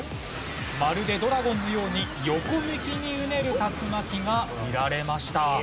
まるでドラゴンのように横向きにうねる竜巻が見られました。